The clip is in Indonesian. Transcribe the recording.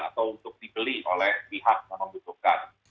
atau untuk dibeli oleh pihak rumah sakit